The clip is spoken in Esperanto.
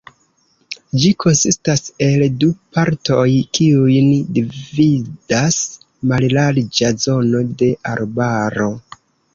Ĝi konsistas el du partoj kiujn dividas mallarĝa zono de arbaro.